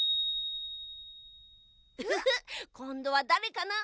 フフフッこんどはだれかな？